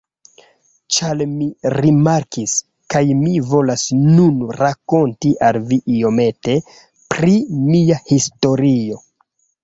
Ĉar mi rimarkis, kaj mi volas nun rakonti al vi iomete pri mia historio.